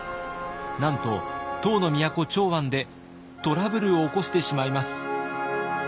なんと唐の都長安でトラブルを起こしてしまいます。